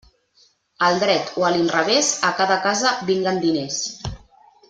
Al dret o a l'inrevés, a cada casa vinguen diners.